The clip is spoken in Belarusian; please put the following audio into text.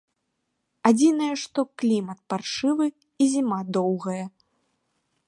Адзінае, што клімат паршывы і зіма доўгая.